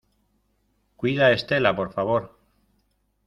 cuida a Estela, por favor.